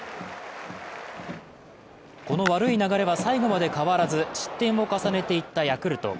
この悪い流れは最後まで変わらず失点を重ねていったヤクルト。